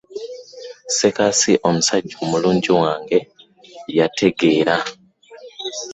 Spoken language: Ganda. Ssekasi omusajja omulungi wange yantegeera.